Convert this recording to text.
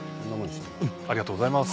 ありがとうございます。